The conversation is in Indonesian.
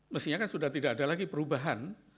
mestinya kan sudah tidak ada lagi perubahan